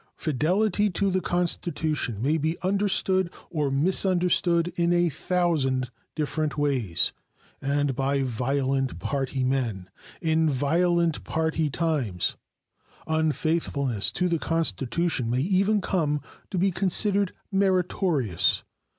Fidelity to the Constitution may be understood or misunderstood in a thousand different ways, and by violent party men, in violent party times, unfaithfulness to the Constitution may even come to be considered meritorious.